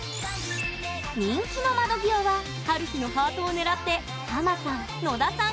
人気の窓際はハルヒのハートを狙ってハマさん野田さん